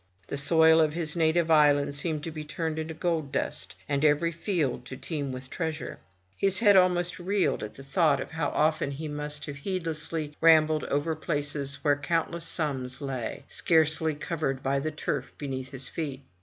The soil of his native island seemed to be turned into gold dust; and every field to teem with treasure. His head almost reeled at the thought 114 FROM THE TOWER WINDOW how often he must have heedlessly rambled over places where countless sums lay, scarcely covered by the turf beneath his feet.